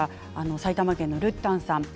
埼玉県の方です。